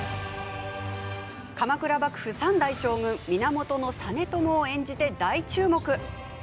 鎌倉幕府、３代将軍源実朝を演じて大注目。